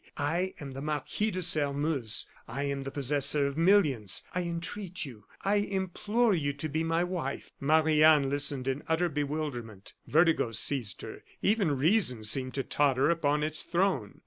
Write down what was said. I am the Marquis de Sairmeuse. I am the possessor of millions. I entreat you, I implore you to be my wife." Marie Anne listened in utter bewilderment. Vertigo seized her; even reason seemed to totter upon its throne.